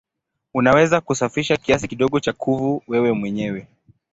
Unaweza kusafisha kiasi kidogo cha kuvu wewe mwenyewe.